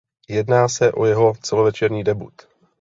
Jedná se o jeho celovečerní debut.